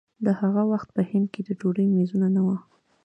د هغه وخت په هند کې د ډوډۍ مېزونه نه وو.